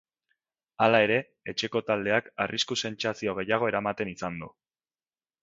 Hala ere, etxeko taldeak arrisku-sentsazio gehiago eramaten izan du.